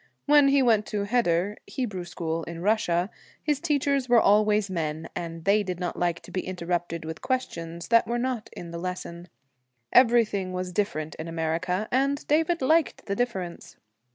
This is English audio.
When he went to heder (Hebrew school), in Russia, his teachers were always men, and they did not like to be interrupted with questions that were not in the lesson. Everything was different in America, and David liked the difference.